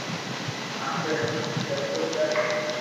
آپري نوم چرچو ڪر